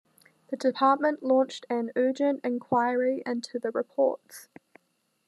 The Department launched an urgent inquiry into the reports.